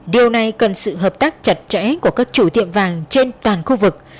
điều này cần sự hợp tác chặt chẽ của các chủ tiệm vàng trên toàn khu vực